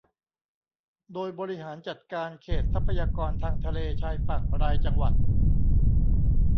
โดยบริหารจัดการเขตทรัพยากรทางทะเลชายฝั่งรายจังหวัด